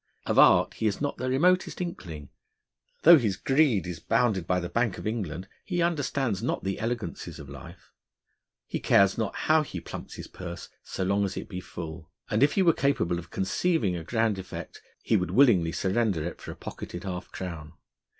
Of art he has not the remotest inkling: though his greed is bounded by the Bank of England, he understands not the elegancies of life; he cares not how he plumps his purse, so long as it be full; and if he were capable of conceiving a grand effect, he would willingly surrender it for a pocketed half crown.